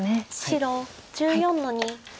白１４の二。